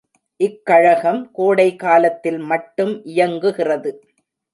இக்கழகம் கோடைக் காலத்தில் மட்டும் இயங்குகிறது.